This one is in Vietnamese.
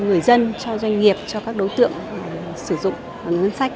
người dân cho doanh nghiệp cho các đối tượng sử dụng ngân sách